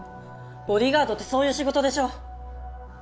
ボディーガードってそういう仕事でしょ！